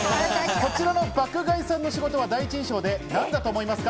こちらの爆買いさんの仕事は第一印象でなんだと思いますか？